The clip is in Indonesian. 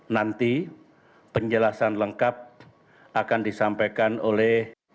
nanti penjelasan lengkap akan disampaikan oleh